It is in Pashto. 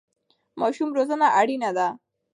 ماشوم روزنه اړینه ده.